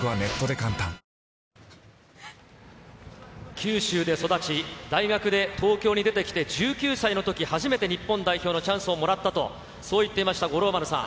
九州で育ち、大学で東京に出てきて１９歳のとき、初めて日本代表のチャンスをもらったと、そう言っていました、五郎丸さん。